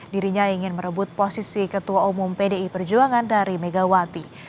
dirinya ingin merebut posisi ketua umum pdi perjuangan dari megawati